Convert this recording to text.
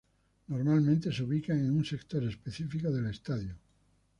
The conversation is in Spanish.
Normalmente se ubican en un sector específico del estadio.